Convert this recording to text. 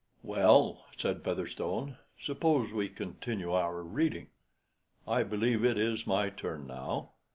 "Well," said Featherstone, "suppose we continue our reading? I believe it is my turn now.